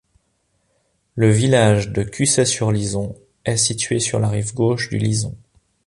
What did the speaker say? Le village de Cussey-sur-Lison est situé sur la rive gauche du Lison.